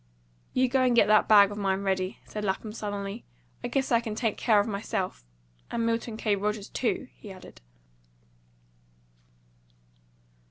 "You go and get that bag of mine ready," said Lapham sullenly. "I guess I can take care of myself. And Milton K. Rogers too," he added.